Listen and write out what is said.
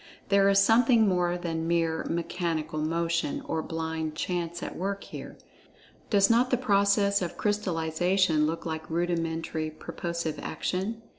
There is something more than mere "mechanical motion," or blind chance at work here. Does not the process of crystallization look like rudimentary purposive action?